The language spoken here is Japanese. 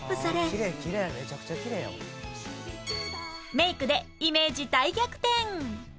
メイクでイメージ大逆転！